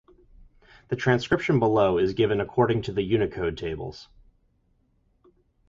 The transcription below is given according to the Unicode tables.